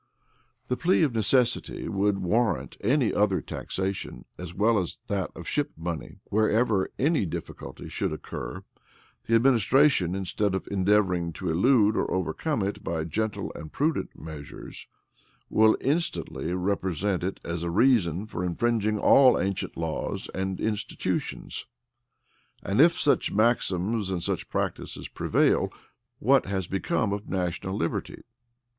The plea of necessity would warrant any other taxation as well as that of ship money; wherever any difficulty shall occur, the administration, instead of endeavoring to elude or overcome it by gentle and prudent measures, will instantly represent it as a reason for infringing all ancient laws and institutions: and if such maxims and such practices prevail, what has become of national liberty?